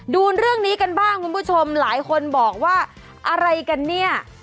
ดูเรื่องนี้กันบ้างคุณผู้ชมหลายคนบอกว่าอะไรกันเนี่ย